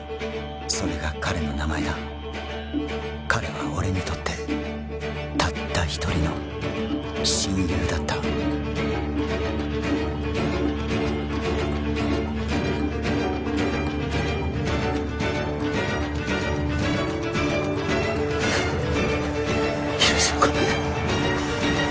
それが彼の名前だ彼は俺にとってたった一人の親友だった広沢ごめん